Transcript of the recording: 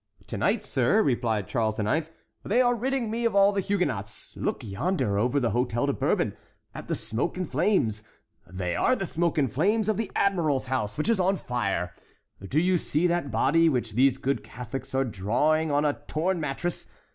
"To night, sir," replied Charles IX., "they are ridding me of all the Huguenots. Look yonder, over the Hôtel de Bourbon, at the smoke and flames: they are the smoke and flames of the admiral's house, which is on fire. Do you see that body, which these good Catholics are drawing on a torn mattress?